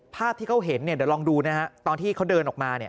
ภาพที่เขาเห็นเดี๋ยวลองดูนะฮะตอนที่เขาเดินออกมา